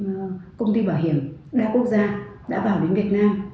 có một số công ty bảo hiểm đã bảo đến việt nam có một số công ty bảo hiểm đã bảo đến việt nam